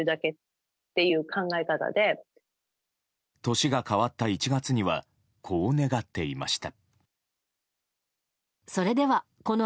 年が変わった１月にはこう願っていました。